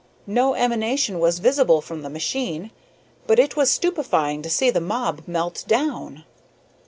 No emanation was visible from the machine, but it was stupefying to see the mob melt down."